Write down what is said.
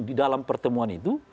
di dalam pertemuan itu